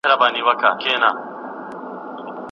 زوجينو ته دا جواز سته چي خوند واخلي.